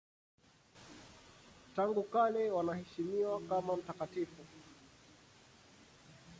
Tangu kale wanaheshimiwa kama mtakatifu.